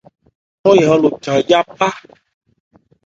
Ɔ́n éjan lo jan yá bhá.